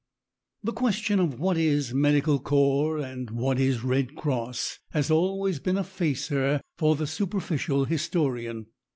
The question of what is Medical Corps and what is Red Cross has always been a facer for the superficial historian.